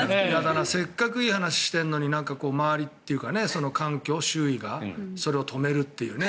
せっかくいい話しているのに環境、周囲がそれを止めるというね。